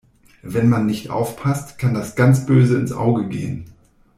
Wenn man nicht aufpasst, kann das ganz böse ins Auge gehen.